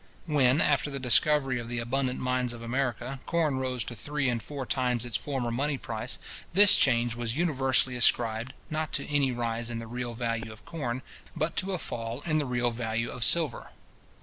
When, after the discovery of the abundant mines of America, corn rose to three and four times its former money price, this change was universally ascribed, not to any rise in the real value of corn, but to a fall in the real value of silver.